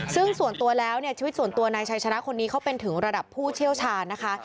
ซึ่งส่วนตัวแล้วเนี่ยชีวิตส่วนตัวนายชัยชนะคนนี้เขาเป็นถึงระดับผู้เชี่ยวชาญนะคะ